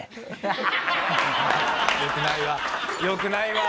よくないわ。